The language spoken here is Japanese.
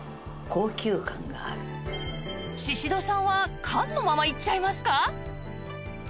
宍戸さんは缶のままいっちゃいますか？